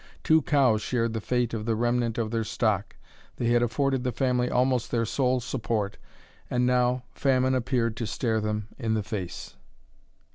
Two cows shared the fate of the remnant of their stock; they had afforded the family almost their sole support, and now famine appeared to stare them in the face.